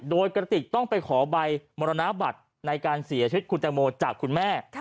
โดยกระติกต้องไปขอใบมรณบัตรในการเสียชีวิตคุณแตงโมจากคุณแม่